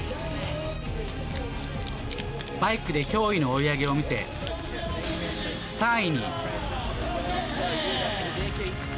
バイクで驚異の追い上げを見せ、３位に。